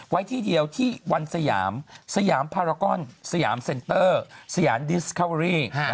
ไว้ที่เดียวที่วันสยามสยามพารากอนสยามเซ็นเตอร์สยามดิสคาเวอรี่